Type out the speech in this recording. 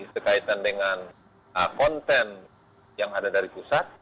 berkaitan dengan konten yang ada dari pusat